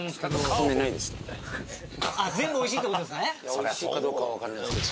・美味しいかどうかはわかんないですけど。